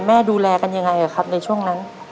ดูแลกันยังไงครับในช่วงนั้น